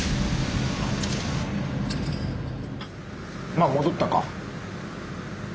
まあ戻ったか。